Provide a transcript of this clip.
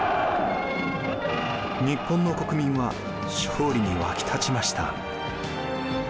日本の国民は勝利に沸き立ちました。